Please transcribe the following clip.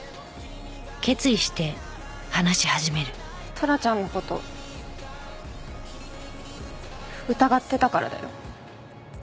トラちゃんの事疑ってたからだよ。